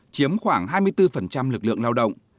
chiếm khoảng hai mươi bốn lực lượng lao động